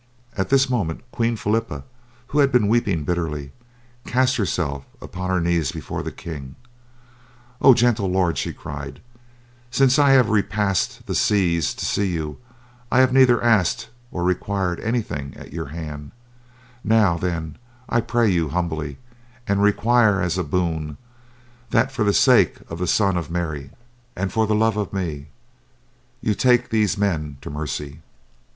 At this moment Queen Philippa, who had been weeping bitterly, cast herself upon her knees before the king. "Oh, gentle lord," she cried, "since I have repassed the seas to see you I have neither asked or required anything at your hand; now, then, I pray you humbly, and require as a boon, that for the sake of the Son of Mary, and for the love of me, you take these men to mercy."